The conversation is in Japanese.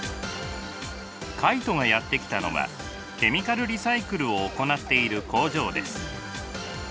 カイトがやって来たのはケミカルリサイクルを行っている工場です。